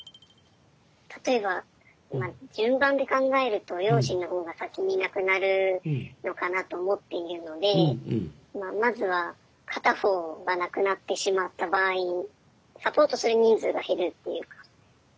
例えばまあ順番で考えると両親の方が先に亡くなるのかなと思っているのでまあまずは片方が亡くなってしまった場合サポートする人数が減るっていうか。